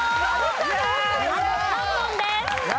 あと３問です。